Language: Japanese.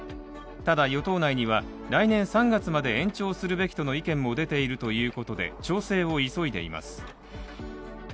ただ与党内には、来年３月まで延長するべきとの意見も出ているということで調整を急いでいます。